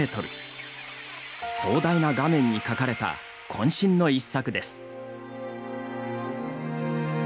壮大な画面に描かれたこん身の一作です。